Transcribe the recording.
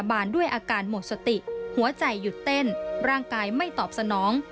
บานด้วยอาการหมดสติหัวใจหยุดเต้นร่างกายไม่ตอบสนอง